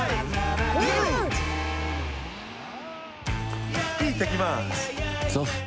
へい、いってきます。